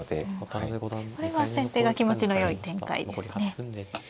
これは先手が気持ちのよい展開ですね。